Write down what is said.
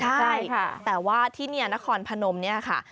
ใช่ค่ะแต่ว่าที่นี่นครพนมเนี่ยค่ะ